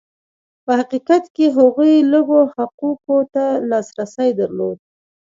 په حقیقت کې هغوی لږو حقوقو ته لاسرسی درلود.